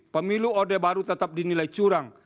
pemilu odeh baru tetap dinilai curang